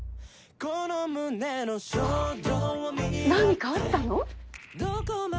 何かあったの？